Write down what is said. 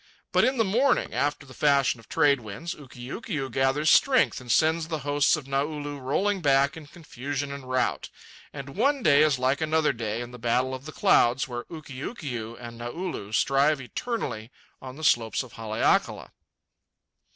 But in the morning, after the fashion of trade winds, Ukiukiu gathers strength and sends the hosts of Naulu rolling back in confusion and rout. And one day is like another day in the battle of the clouds, where Ukiukiu and Naulu strive eternally on the slopes of Haleakala.